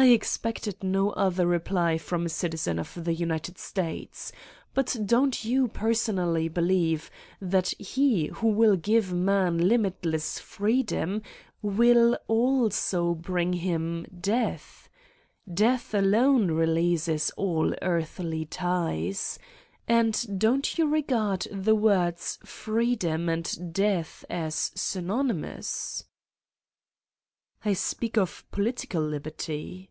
"I expected no other reply from a citizen of the United States. But don't you personally believe that he who will give man limitless freedom will also bring him death? Death alone releases all earthly ties. And don't you regard the words 'freedom' and i death' as synonymous?" "I speak of political liberty."